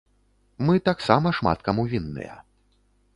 Мы таксама шмат каму вінныя.